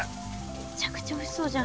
むちゃくちゃおいしそうじゃん。